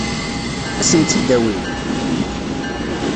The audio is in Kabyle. Ad sen-tt-id-awint?